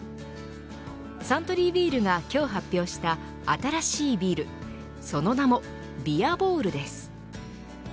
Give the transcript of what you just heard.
サントリービールが今日発表した新しいビールその名もビアボールです。